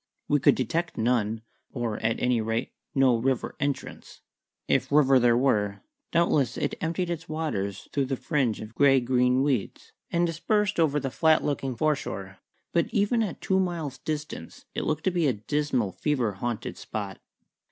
We could detect none, or, at any rate, no river entrance. If river there were, doubtless it emptied its waters through the fringe of grey green weeds, and dispersed over the flat looking foreshore; but even at two miles' distance it looked to be a dismal, fever haunted spot.